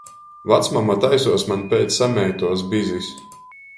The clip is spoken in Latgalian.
Vacmama taisuos maņ peit sameituos bizis.